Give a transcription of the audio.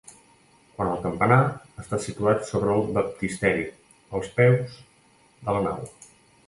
Quant al campanar, està situat sobre el baptisteri, als peus de la nau.